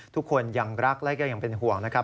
ทุกคนยังรักและก็ยังเป็นห่วงนะครับ